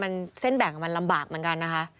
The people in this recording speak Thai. มันเส้นแบ่งมันลำบากเหมือนกันนะคะ